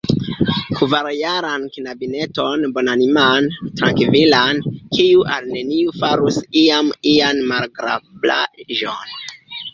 Kvarjaran knabineton, bonaniman, trankvilan, kiu al neniu farus iam ian malagrablaĵon.